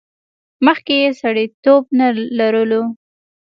مخکې یې سړیتیوب نه لرلو.